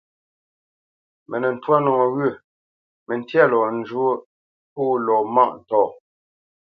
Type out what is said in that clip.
Mə nə́ ntwâ nɔwyə̂, məntya lɔ njwóʼ pô lɔ mâʼ ntɔ̂.